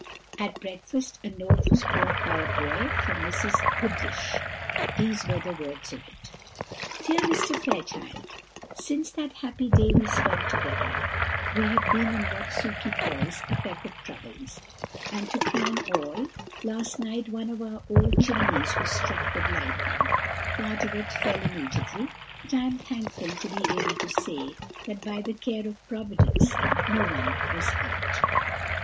At breakfast a note was brought by a boy from Mrs. Goodriche: these were the words of it: "DEAR MR. FAIRCHILD, "Since that happy day we spent together, we have been in what Sukey calls a peck of troubles; and, to crown all, last night one of our old chimneys was struck with lightning: part of it fell immediately, but I am thankful to be able to say, that by the care of Providence no one was hurt.